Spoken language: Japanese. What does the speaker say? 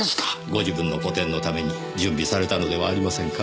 ご自分の個展のために準備されたのではありませんか？